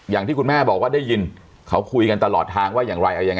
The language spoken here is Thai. อย่างที่คุณแม่บอกว่าได้ยินเขาคุยกันตลอดทางว่าอย่างไรเอายังไง